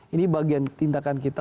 ini bagian tindakan kita